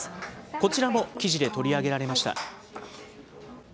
こちらも記事で取り上げられました。